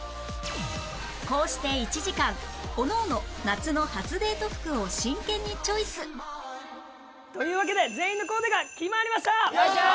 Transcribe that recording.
こうして１時間おのおの夏の初デート服を真剣にチョイスというわけで全員のコーデが決まりました！